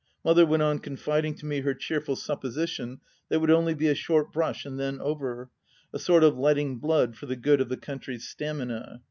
Mother went on confiding to me her cheerful supposition that it would only be a short brush and then over, a sort of letting blood for the good of the country's stamina.